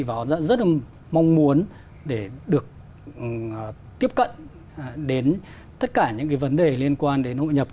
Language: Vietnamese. và họ rất là mong muốn để được tiếp cận đến tất cả những vấn đề liên quan đến hội nhập